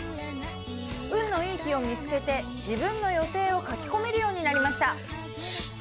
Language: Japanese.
運のいい日を見つけて自分の予定を書き込めるようになりました。